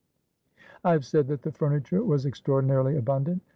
I have said that the furniture was extraordinarily abundant.